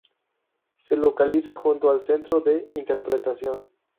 Se localiza junto al Centro de Interpretación.